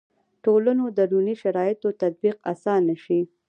ټولنو دروني شرایطو تطبیق اسانه شي.